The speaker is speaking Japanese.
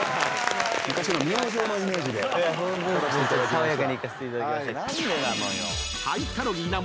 爽やかにいかせていただきました。